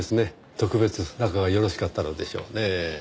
特別仲がよろしかったのでしょうね。